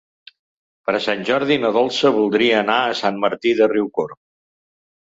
Per Sant Jordi na Dolça voldria anar a Sant Martí de Riucorb.